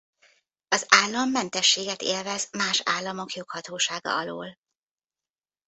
Az állam mentességet élvez más államok joghatósága alól.